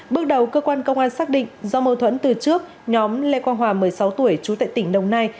bước đầu cơ quan công an xác định do mâu thuẫn từ trước nhóm lê quang hòa một mươi sáu tuổi trú tại tỉnh đồng nai